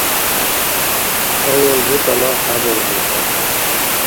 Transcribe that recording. авал бутӀала хӀябал бутӀа